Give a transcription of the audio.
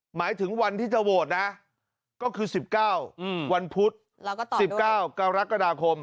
หมายถึงวันที่จะโหวตนะก็คือ๑๙วันพุธ๑๙กรกฎาคม